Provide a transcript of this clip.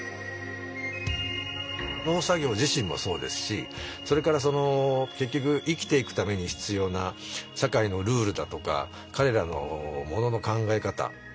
農作業自身もそうですしそれからその結局生きていくために必要な社会のルールだとか彼らのモノの考え方